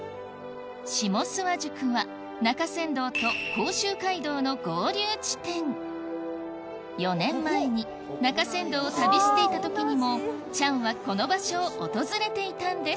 下諏訪宿は中山道と甲州街道の合流地点４年前に中山道を旅していた時にもチャンはこの場所を訪れていたんです